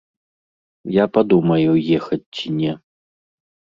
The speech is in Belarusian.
Я падумаю ехаць ці не.